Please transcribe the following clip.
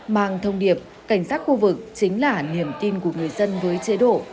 mang thông điệp cảnh sát khu vực chính là niềm tin của người dân với chế độ